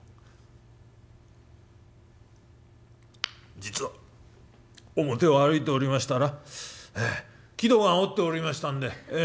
「『実は表を歩いておりましたら木戸があおっておりましたんでええ。